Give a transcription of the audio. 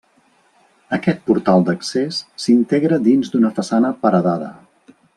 Aquest portal d'accés s'integra dins d'una façana paredada.